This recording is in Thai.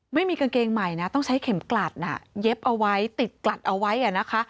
ไม่มีกางเกงใหม่นะต้องใช้เข็มกลัดเย็บเอาไว้ติดกลัดเอาไว้นะคะ